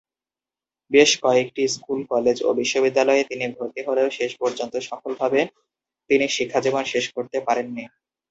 বেশ কয়েকটি school, college ও বিশ্ববিদ্যালয়ে তিনি ভর্তি হলেও শেষ পর্যন্ত সফলভাবে তিনি শিক্ষাজীবন শেষ করতে পারেননি।